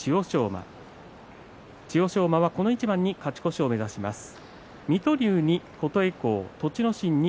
馬はこの一番に勝ち越しを目指します。